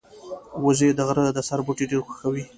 وزې د غره د سر بوټي ډېر خوښوي